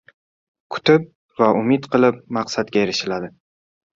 • Kutib va umid qilib maqsadga erishiladi.